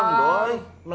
dari rumah bu dokter kum